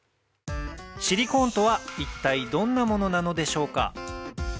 シリコーンとは一体どんなものなのでしょうか？